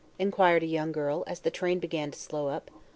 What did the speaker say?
inquired a young girl, as the train began to slow up.